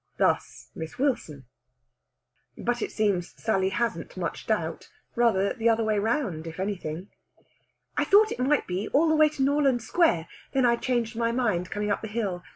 Thus Miss Wilson. But it seems Sally hasn't much doubt. Rather the other way round, if anything! "I thought it might be, all the way to Norland Square. Then I changed my mind coming up the hill.